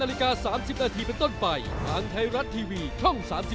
ลากันไปก่อนพบกันใหม่ในทีหน้าค่ะ